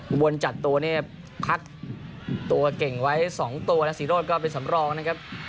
อุบลจัดตัวเนี่ยพักตัวเก่งไว้๒ตัวและสีโรธก็เป็นสำรองนะครับ